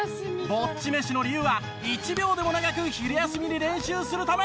ぼっち飯の理由は１秒でも長く昼休みに練習するため。